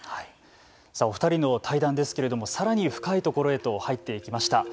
お二人の対談ですけれどもさらに深いところへと入っていきました。